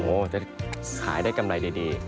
จะขายได้กำไรดี